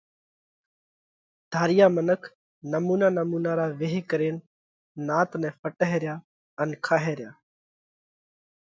ڌاريا منک نمُونا نمُونا را ويه ڪرينَ نات نئہ ڦٽئه ريا ان کائه ريا۔